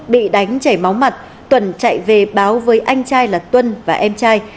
bị đánh chảy máu mặt tuần chạy về báo với anh trai là tuân và em trai